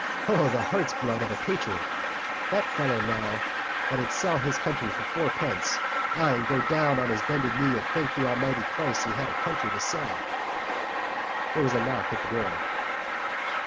O, the heart's blood of a patriot! That's a fellow now that'd sell his country for fourpence—ay—and go down on his bended knees and thank the Almighty Christ he had a country to sell." There was a knock at the door.